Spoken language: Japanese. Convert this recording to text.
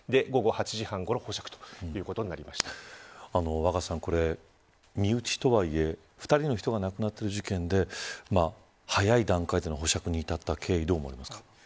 若狭さん、これ、身内とはいえ２人の人が亡くなっている事件で早い段階での保釈に至った経緯どう思われますか。